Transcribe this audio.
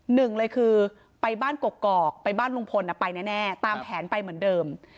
หนึ่งเลยคือไปบ้านกกอกไปบ้านลุงพลไปแน่ตามแผนไปเหมือนเดิม